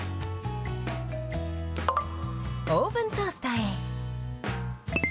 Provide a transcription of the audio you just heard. オーブントースターへ。